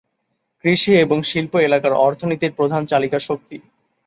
কৃষি এবং শিল্প এখানকার অর্থনীতির প্রধান চালিকাশক্তি।